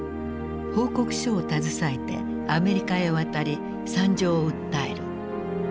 報告書を携えてアメリカへ渡り惨状を訴える。